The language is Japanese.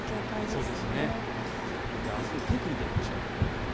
ではあすの天気を見ていきましょう。